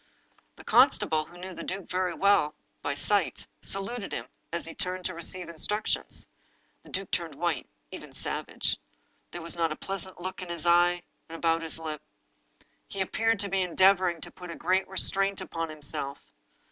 The constable, who knew the duke very well by sight, saluted him as he turned to receive instructions. The duke looked white, even savage. There was not a pleasant look in his eyes and about his lips. He appeared to be endeavoring to put a g^eat restraint upon himself.